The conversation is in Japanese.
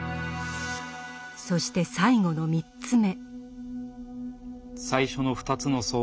そして最後の３つ目。